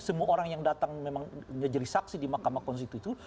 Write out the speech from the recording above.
semua orang yang datang memang menjadi saksi di mahkamah konstitusi